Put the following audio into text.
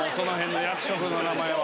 役職の名前は。